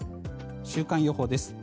週間予報です。